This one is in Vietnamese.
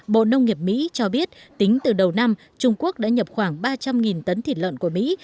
bộ nông nghiệp mỹ cho biết tính từ đầu năm trung quốc đã nhập khoảng ba trăm linh tấn thịt lợn của mỹ